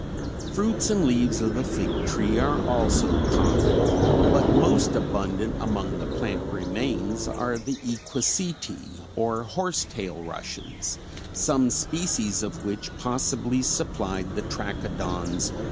Fruits and leaves of the fig tree are also common, but most abundant among the plant remains are the Equisetae or horsetail rushes, some species of which possibly supplied the Trachodons with food.